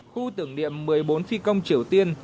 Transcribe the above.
khu tưởng niệm một mươi bốn phi công triều tiên